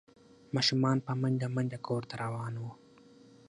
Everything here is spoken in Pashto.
ماشومان په منډه منډه کور ته روان وو۔